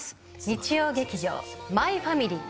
日曜劇場「マイファミリー」